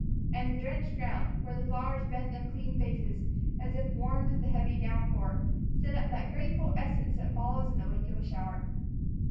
And the drenched ground, where the flowers bent their clean faces as if worn with the heavy downpour, sent up that grateful essence that follows in the wake of a shower.